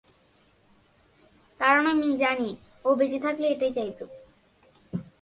কারণ আমি জানি, ও বেঁচে থাকলে এটাই চাইতো।